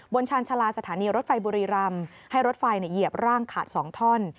ชาญชาลาสถานีรถไฟบุรีรำให้รถไฟเหยียบร่างขาด๒ท่อน